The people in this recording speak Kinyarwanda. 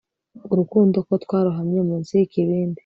Urukundo ko twarohamye munsi yikibindi